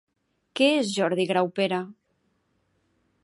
Què és Jordi Graupera?